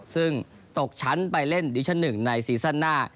ซึ่งตกชั้นไปเล่นดิชั่น๑ในซีซั่นหน้า